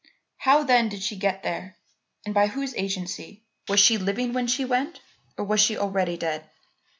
"How then, did she get there; and by whose agency? Was she living when she went, or was she already dead?